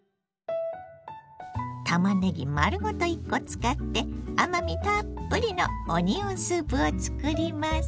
たまねぎ丸ごと１コ使って甘みたっぷりのオニオンスープを作ります。